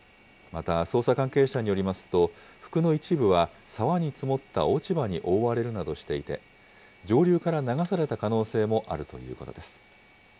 また、捜査関係者によりますと、服の一部は沢に積もった落ち葉に覆われるなどしていて、上流から流された可能性もあるということです。